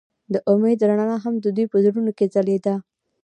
د امید رڼا هم د دوی په زړونو کې ځلېده.